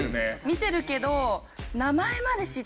見てるけど。